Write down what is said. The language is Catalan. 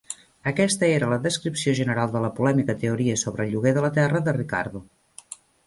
Aquesta era la descripció general de la polèmica teoria sobre el lloguer de la terra de Ricardo.